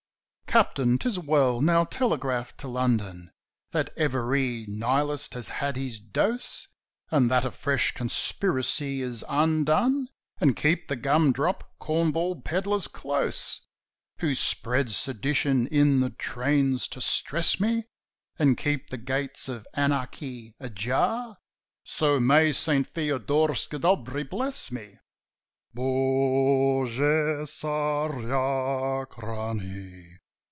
"Captain, 'tis well. Now telegraph to London That every Nihilist has had his dose, And that a fresh conspiracy is undone, And keep the gum drop, corn ball peddlers close Who spread sedition in the trains to 'stress me; And keep the gates of anarchy ajar; So may Saint Feoderskidobry bless thee! _Bogu Tsarachnie!